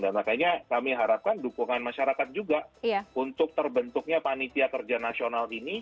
dan makanya kami harapkan dukungan masyarakat juga untuk terbentuknya panitia kerja nasional ini